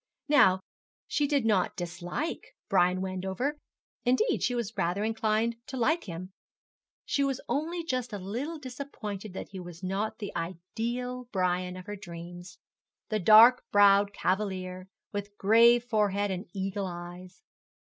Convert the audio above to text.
Now, she did not dislike Brian Wendover indeed, she was rather inclined to like him. She was only just a little disappointed that he was not the ideal Brian of her dreams. The dark browed cavalier, with grave forehead and eagle eyes.